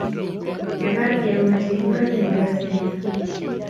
mekat keunda che kikirat eng' gereset